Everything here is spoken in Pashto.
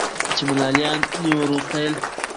چي ملالیاني مي ور ستایلې